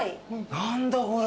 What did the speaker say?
何だこれ。